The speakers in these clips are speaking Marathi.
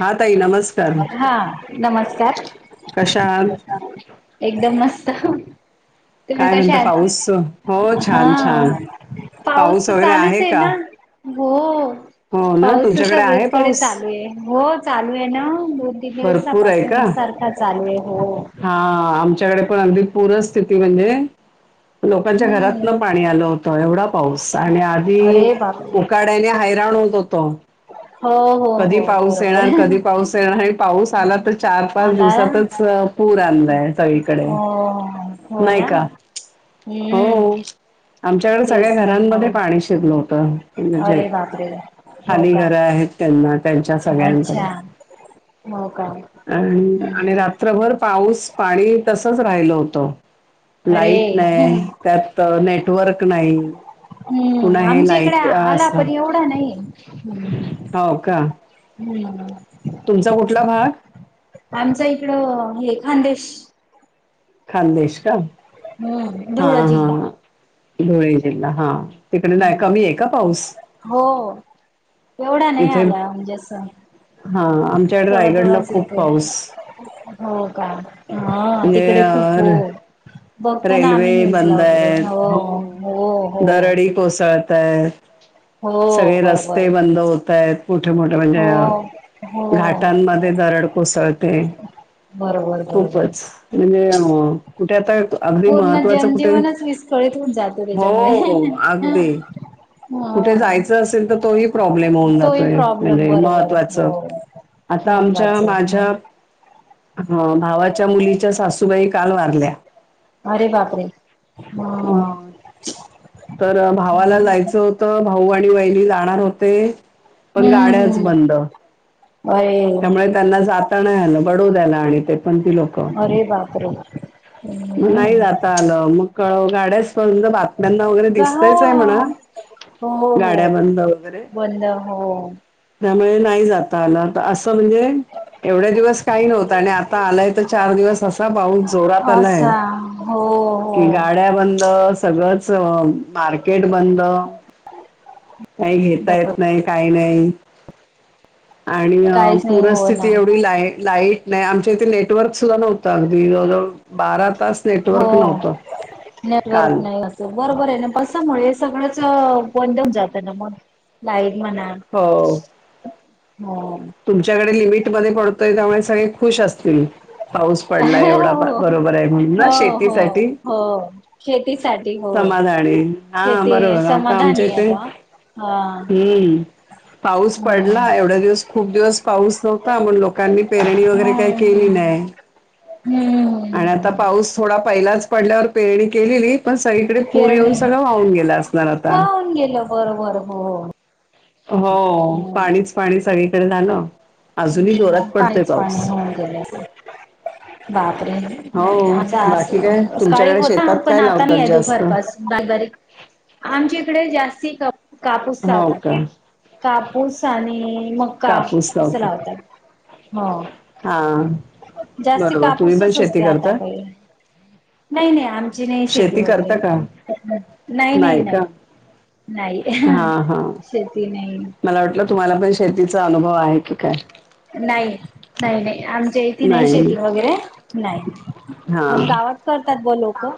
हा ताई नमस्कार हा नमस्कार. कशा आहात एकदम मस्त, तुम्ही काय कशा म्हणता आहेत? पाऊस हो छान छान पाऊस तर चालूच आहे ना हो. हो ना पाऊस तर तुमच्याकडे आहे सगळीचकडे पाऊस चालू आहे. हो चालू आहे ना दोन-तीन भरपूर आहे दिवसापासून का एकसारखा चालू आहे हो. हा आमच्याकडे अगदी पुरं स्थिती म्हणजे लोकांच्या घरात हम्म न पाणी आलं होतं एवढा पाऊस आणि आधी अरे बापरे पोकाळ तेने हैराण होत होतो. हो हो कधी हो पाऊस बरोबर येणार आहे. कधी पाऊस येणार पाऊस आला तर चार-पाच आला दिवसातच पूर आणलाय सगळीकडे. हो हो नाही ना, का हम्म. हो आमच्याकडे तेच सगळ्या ना. घरांमध्ये हो पाणी शिरलो त म्हणजे अरे बापरे हो खाली का घरया आहेत त्यांना त्यांच्या सगळ्यांकडे अच्छा हो का. आणि आणि हम्म रात्रभर पाऊस, पाणी तसच राहिलं होतं. अरे लाईट नाही त्यात नेटवर्क नाही. पुन्हा हम्म, हे आमच्या इकडे लाईट आला असं पण एवढा नाही हम्म. हो का हम्म. तुमचा कुठला भाग? आमचं इकडं हे खानदेश. खानदेश का? हम्म. हा धुळ हा जिल्हा धुळे जिल्हा हा तिकडे नाही हम्म कमी आहे का पाऊस? हो एवढा नाही आला म्हणजे असं हा आमच्याकडे थोडा रायगडला थोडाच खूप येतोय पाऊस. हो का? हा म्हणजे तिकडे खूप हो अ बघतो ना आम्ही रेल्वे न्यूजला बंद वगैरे आहेत. हो. हो. हो दरडी कोसळतय, हो सगळे बरोबर रस्ते बंद होत आहेत. मोठे-मोठे हो म्हणजे हो घाटांमध्ये दरड कोसळते बरोबर बरोबर खूपच म्हणजे अं कुठे आता अगदी महत्वाचं कुठे? तसं विस्कळीत होत जात हो अगदी कुठे हा जायचं असेल तर तोही प्रॉब्लेम होऊन तोही जातोय प्रॉब्लेम म्हणजे बरोबर हो महत्त्वाचं आता आमच्या महत्वाच माझ्या हा भावाच्या मुलीच्या सासूबाई काल वारल्या अरे बापरे! हां. तर भावाला लायचं होत भाऊ आणि वहिणी लाणार होते पण गाड्याच हम्म बंद. अरे त्यामुळे त्यांना जाता नाय आलं बडोद्यायला आणि ते पण ती लोकं. अरे बापरे. हम्म. मग नाही जात आलाव, मग कळ गाड्या [unintelligible] [unintelligible] वगैरे गाव दिसतच आहे म्हणा, गाड्या बंद वगैरे. होय. त्यामुळे नाही जात आला तर असं म्हणजे एवढ्या दिवस काही नव्हता आणि आता आलाय तर चार दिवस असा पाऊस जोरात आलाय [unintelligible] हो गाड्या बंदस सगळंच मार्केट बंद काही घेता बरोबर येत नाही काही नाही. आणि काहीच नाही हो ना पूरस्थिती एवढी लाई लाईट नाही आमच्या इथे नेटवर्कसुद्धा नव्हतं, अगदी जवळजवळ बारा तास नेटवर्क हो नव्हतं, काल. नेटवर्क नाही बरोबर आहे ना, पावसामुळे हे सगळंच बंद जातं ना मग. लाईट म्हणा, हो. हो. तुमच्याकडे लिमिटमध्ये पडतोय, त्यामुळे सगळे खुश असतील. पाऊस पडला एवढा बा हो. बरोबर आहे, म्हणून हो ना हो शेतीसाठी. हो शेतीसाठी हो. समाधानी. हा शेती बरोबर आता आमच्या समाधानी आहे इथे बा हा. हम्म. पाऊस पडला, हम्म एवढ्या दिवस खूप दिवस पाऊस होता, मग लोकांनी पेरणी वगैरे काय हम्म केली नाही आणि आता हम्म. पाऊस थोडा पहिलाच पडल्यावर पेरणी केलेली. पण सगळीकडे पूर येऊन खेळणे सगळं वाहून गेलं असणार आता. होऊन गेलं बरोबर हो. हो, हम्म पाणीच पाणी सगळीकडे झालं. अजूनही जोरात हम्म पडतोय पाणीच पाऊस पाणी होऊन गेलं असं. बापरे, हो आता बाकी काय असं सकाळी तुमच्याकडे होता शेतात पण काय आता लावतात नाही जास्त दुपारपास बारीक बारीक. आमच्या इकडे जास्ती कापूस हो चालतात. का कापूस आणि मका कापूस असं लावतो लावतात. हो, हा जास्ती बरोबर तुम्ही पण कापूसच शेती असतंय आता करता [unintelligible] नाही नाही, आमची नाही शेती वगैरे. करता का नाही नाही नाही. नाही, हा हा शेती नाही. मला वाटलं, तुम्हालापण शेतीचा अनुभव आहे की काय? नाही, नाही नाही आम च्या इथं नाही शेती वगैरे नाही. हा पण गावात करतात ब लोकं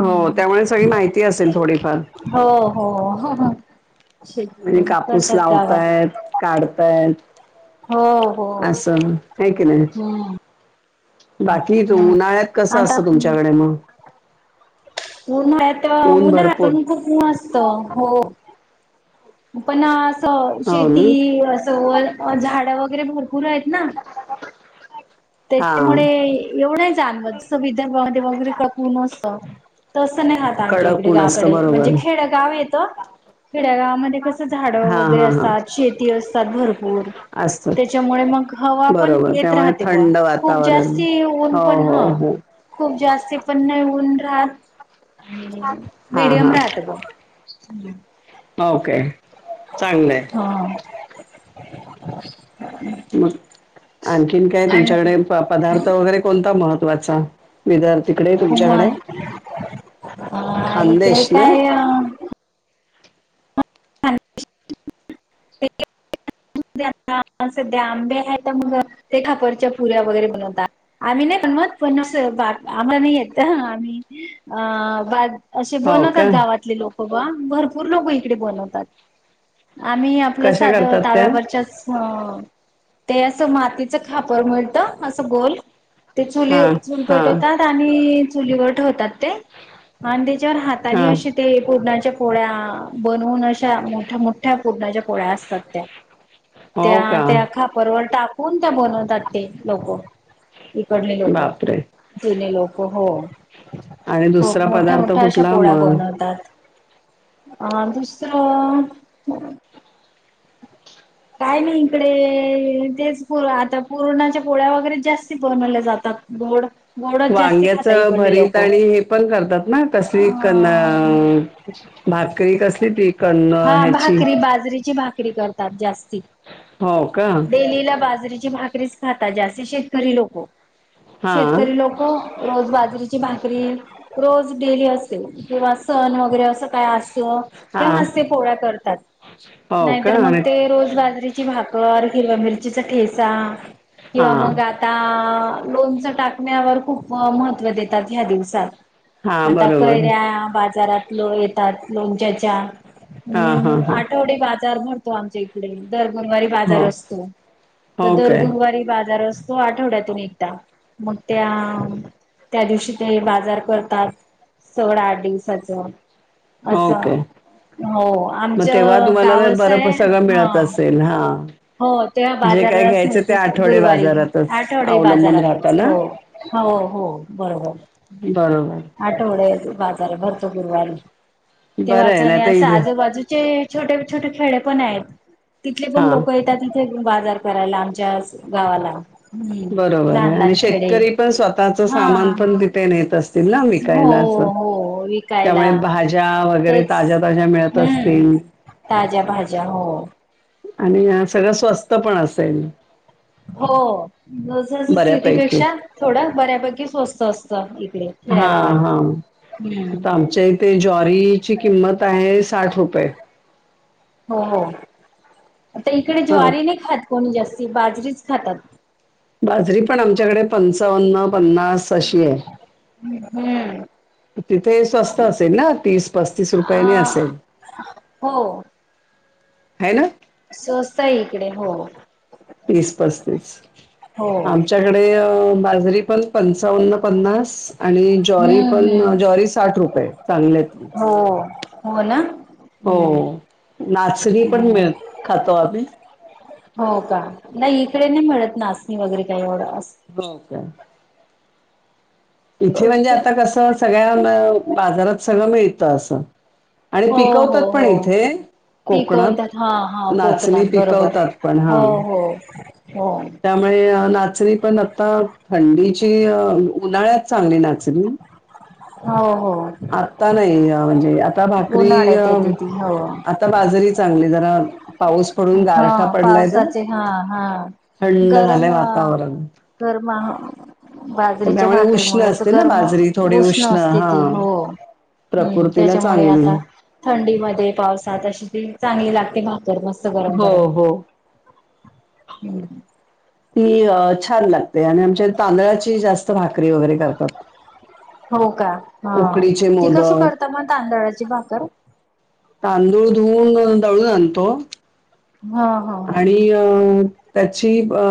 हो, त्यामुळे सगळी माहिती असेल थोडीफार? हो हो, हो हो. म्हणजे कापूस गावात. लावताय, काढतायत. हो हो असं हाय का नाही? हम्म बाकी इथं हम्म. उन्हाळ्यात कसं आता असतं तुमच्याकडे मग? उन्हाळात ऊन भरपूर उन्हाळ्यातून खूप मस्त हो. पण असं हो शेती ना? असं वर झाडं वगैरे भरपूर आहेत ना. हा त्याच्यामुळे एवढं जाणवत, जसं विदर्भामध्ये वगैरे ककून असतं. तस नाही राहत आमच्या कडक इकडे ऊन असतं गावाकडे. म्हणजे बरोबर. खेडगाव येतं, खेड्यागावामध्ये कसं इथं झाड हा वगैरे हा हा असतात, शेती असतात भरपूर. असतं. त्याच्यामुळे मग हवापण बरोबर येत त्यामुळे राहते बुवा. थंड खूप वातावरण. जास्ती हो ऊनपण हो हा, हो. खूप जास्ती पण नाही ऊन राहत आणि हा मीडियम हा राहत बुवा. ओके, चांगलं हाय. हा मग, आणखीन काय आणि तुमच्याकडे हाय? प पदार्थ वगैरे कोणता महत्वाचा? विदर् [unintelligible] हा इथे खानदेश ना? काय अ [unintelligible] [unintelligible] सध्या आंबे आहेत तर मग, ते खापरच्या पुऱ्या वगैरे बनवतात. आम्ही नाही बनवत, पण असं बा आम्हाला नाही येत. आम्ही अ बा असे हो का? बनवतात गावातले लोक बुवा, भरपूर लोक इकडे बनवतात. आम्ही आपलं कशा साध करतात त्या? तव्यावरच्याच ह ते असं मातीचं खापर मिळतं असं गोल. ते चुली हा चुल हा पेटवता पाणी चुलीवर ठेवतात ते आणि त्याच्यावर हा हातानी अशी ते पुरणाच्या पोळ्या बनवून अशा मोठ्या मो ठ्या पुरणाच्या पोळ्या असतात त्या. हो त्या का त्या खा परवर टाकून त्या बनवतात ते लोकं, इकडले लोकं. बापरे जुने लोक हो. आणि हो, दुसरा मोठ्या पदार्थ मोठ्या अशा कुठला पोळ्या मग बनवतात. आ दुसरं काय नाही इकडे तेच पुर आता पुरणाच्या पोळ्या वगैरे जास्ती बनवल्याला जातात. गोड. गोडच जास्ती वांग्याच खाता इकडले भरीत लोक आणि हे पण करतात ना अ कसली कण भाकरी कसली ती कण हा ह्याची? भाकरी बाजरीची भाक री करतात जास्ती. हो का. डेलीला बाजरीची भाकरीच खातात जास्ती शेतकरी लोकं. हा शेतकरी लोकं हो, रोज बाजरीची भाकरी रोज डेली असते किंवा सण वगैरे असं काय आस तं हा तेव्हाच ते पोळ्या करतात, हो का नाहीतर मग आणि ते रोज बाजरीची भा कर, हिरवा मिरचीचा ठेचा हा किंवा मग आ ता लोणचं टाकण्यावर खूप महत्व देतात, ह्या दिवसात. हा आता बरोबर कैऱ्या बाजारात किलो येतात लोणच्याच्या. हा हा हम्म, हा आठवडी बाजार भर तो आमच्या इकडे. दर गुरवारी बाजार हो असतो, तर दर ओके गुरवारी बाजार अस तो आठवड्यातून एकदा. मग त्या त्या दिवशी ते बाजार करतात सगळा आठ दिवसाचं. हो असं काय. हो, आमच गावाचं बरं प- हाय सगळं हा. मिळत असेल हा हो तेव्हा जे काय बाजारच घ्यायचं ते मिळतेस आठवडे गुरुवारी, बाजारातच आठवडी अवलंबून बाजारातच राहतं ना हो. हो हो, बर बर. बरोबर. आठवडेस बाजार भरतो गुरवाारी. बरं तेव्हाच आहे ना आणि तर असं इज आजूबाजूचे छोटे छोटे खेळेपण आहेत, तिथले हा पण लोक ते त्यातले ते बाजार करायला, आमच्यास गावाला. हम्म. बरोबर आहे लहान लहान आणि खेडे शेतकरीपण स्वतःच हा सामानपण तिथे नेत अस तील ना हो विकायला असं. हो त्यामुळे विकायला भा ज्या वगैरे तेच ताज्या ताज्या मिळत हम्म असतील. ताज्या भाज्या हो. आणि सगळं स्वस्त पण असेल. हो [unintelligible] बऱ्यापैकी सिटीपेक्षा थोडं बऱ्यापैकी स्वस्त असतं इकडे. हा हा, खेड्यागावात हम्म इथं आमच्या इ ते ज्वारीची किंमत आहे, साठ रुपये. हो हो. आता इकडे ह ज्वारी नाही खात कोणी जास्ती, बाजरीच खातात. बाजरी पण आमच्याकडे पंचावन्न, पन्नास अशी आहे. हम्म. तिथे स्वस्त असेल ना तीस, पस्तीस रुपयाने असेल. अ हो. हाय ना? स्वस्त आहे इकडे, हो. तीस पस्तीस, हो आमच्याकडे बाजरीपण पंचावन्न, पन्नास आणि ज्वारी हम्म पण हम्म ज्वारी साठ रुपये चांगल्यातली. हो, हो ना. हो, हम्म नाचणीपण हम्म मिळ खातो आम्ही. हो का, नाही इकडे नाही मिळत नाचणी वगैरे काही एवढं. हो का. इथे म्हणजे आता कसं, सगळ्या बाजारात सगळं मिळतं असं. आणि हो पिकवतात हो पण हो इथे. कोकणात पिकवतात हा हा नाचणी कोकणात बरोबर पिकवतातपण हा. हो हो हो त्या मुळे नाचणीपण आता, थंडीची अ उन्हाळ्यात चांगली नाचणी. हो हो ह आता नाही म्हणजे, आता भाकरी अ उन्हाळ्यात येते ती हो आ ता बाजारी चांगली, जरा पाऊस पडून हा गारठा पडलाय तर, पावसाचे हा हा थंड झालंय वातावरण. दरमहा तर बाजरीच्या त्यामुळे उष्ण भाकरीमुळे असं असते ना गरम बाजरी थोडी उष्ण असते हा ती हो. हम्म, प्रकृतीला त्याच्यामुळे चांगली आता थंडीमध्ये पावसात अशी ती चांगली लागते भाकर, मस्त गरम हो गरम. हो हम्म. ती छान लागते आणि आमच्यात तांदळाची जास्त भाकरी वगैरे करतात. हो का, हं उकडीचे ती कसं मोदक करता मग तांदळाची भाकर? तांदूळ धुवून दळून आणतो. हा. हा आणि हा अ त्याची अ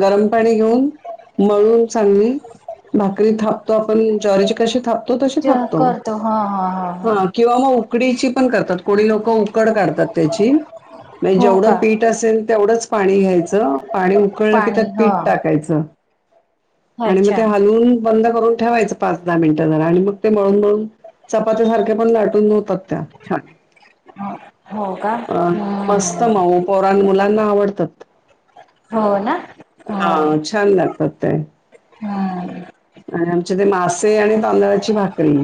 गरम पाणी घेऊन, मळून चांगली भाकरी थापतो आपण ज्वारीची कशी थापतो, तशी ज थापतो. करतो हा हा हा. किंवा मग उकडीचीपण करतात. कोणी लोकं उकड काढतात त्याची. म्हणे हो जेवढं का पी ठ असेल, तेवढंच पाणी घ्यायचं. पाणी उकळलं की, त्यात पाणी हा पीठ टाकायचं. आणि मग ते अच्छा हलवून बंद करून ठेवायचं, पाच दहा मिनिटं जरा आणि मग ते मळून मळून चपाती सारख्यापण लाटून हुतात त्या छान. ह हो का, हं हं. पोरांन मुलांना आवडतात. हो ना. हा, छान लागतात ते. हा. आणि आमचे ते मासे आणि तांदळाची भाकरी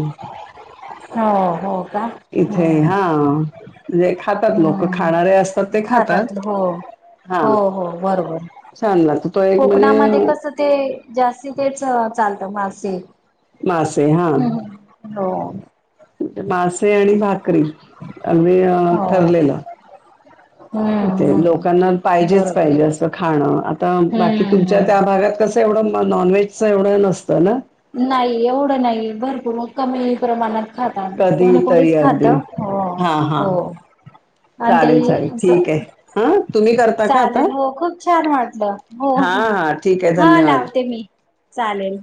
हो, हो का हो. इथे हां. म्हणजे खातात लोकं. हम्म, खाणारे असतात ते खातात हो. हो हां, हो बरोबर, छान लागतो. तो एक कोकणामध्ये म्हणजे कसं ते जास्ती तेच चालतं, मासे. मासे हा. हो हो. मासे आणि भाकरी अगदी अ ठरलेलं. हम् ते लोकांना पाहिजेच पाहिजे असं खाणं आता बाकी हम्म तुमच्या त्या हम्म भागात कसं तेवढं नॉन व्हेजचं एवढं नसतं ना. नाही एवढं नाही भरपूर मग कमी प्रमाणात खाता कोणी कधीतरी कोणीच खात अगदी. हो हां, हो. हां. आणि ते चालेल, हि चालेल. अस ठीक आहे. हां, तुम्ही करता का आता? चालेल हो खूप छान वाटलं. हो हो, हां, हां. ठीक आहे. हा धन्यवाद. लावते मी चालेल.